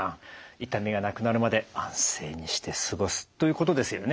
「痛みがなくなるまで安静にして過ごす」ということですよね？